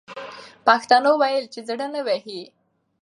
پښتنو وویل چې زړه نه وهي.